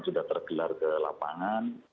yang tergelar ke lapangan